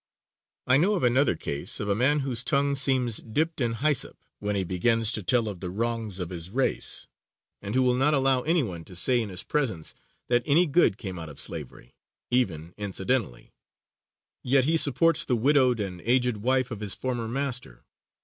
I know of another case of a man whose tongue seems dipped in hyssop when he begins to tell of the wrongs of his race, and who will not allow anyone to say in his presence that any good came out of slavery, even incidentally; yet he supports the widowed and aged wife of his former master.